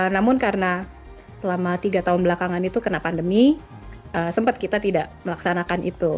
namun karena selama tiga tahun belakangan itu kena pandemi sempat kita tidak melaksanakan itu